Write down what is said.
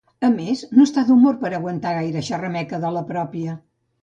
A més no està d'humor per aguantar gaire xerrameca de la pròpia.